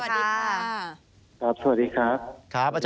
สวัสดีครับ